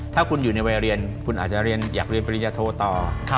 ถ้าคุณอยู่ในวัยเรียนคุณอาจจะอยากเรียนปริญญาโทต่อ